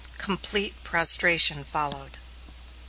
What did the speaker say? Complete prostration followed.